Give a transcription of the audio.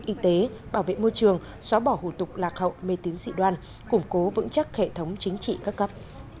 y tế bảo vệ môi trường xóa bỏ hủ tục lạc hậu mê tín dị đoan củng cố vững chắc hệ thống chính trị các cấp